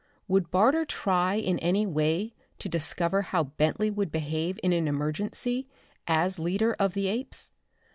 Would Barter try in any way to discover how Bentley would behave in an emergency as leader of the apes?